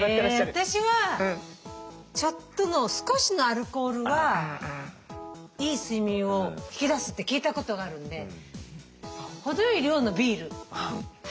私はちょっとの少しのアルコールはいい睡眠を引き出すって聞いたことがあるんで程よい量のビール。